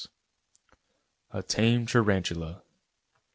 A TAME TARANTULA.